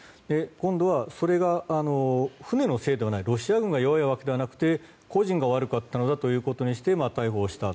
今度はそれが船のせいではないロシア軍が弱いわけではなく個人が悪かったということで逮捕した。